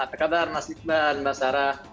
apa kabar mas iqman mas sarah